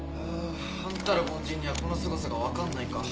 あんたら凡人にはこのすごさがわかんないか。